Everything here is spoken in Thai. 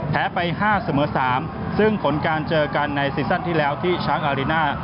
ไป๕เสมอ๓ซึ่งผลการเจอกันในซีซั่นที่แล้วที่ช้างอาริน่า